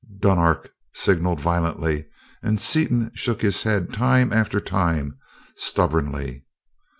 Dunark signaled violently, and Seaton shook his head time after time, stubbornly.